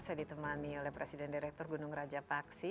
saya ditemani oleh presiden direktur gunung raja paksi